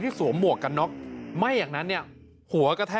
ที่สัวมห่วกันเนอะไม่อย่างนั้นเนี่ยหัวกแท่